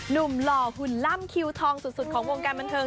หล่อหุ่นล่ำคิวทองสุดของวงการบันเทิง